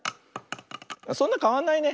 そんなかわんないね。